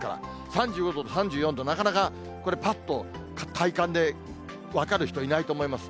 ３５度と３４度、なかなかこれ、ぱっと体感で分かる人、いないと思います。